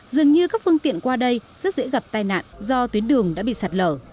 dường như các phương tiện qua đây rất dễ gặp tai nạn do tuyến đường đã bị sạt lở